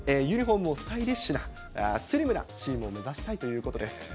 ユニホームをスタイリッシュな、スリムなチームを目指したいということです。